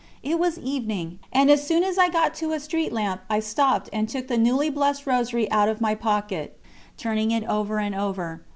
It was evening, and as soon as I got to a street lamp I stopped and took the newly blessed Rosary out of my pocket, turning it over and over.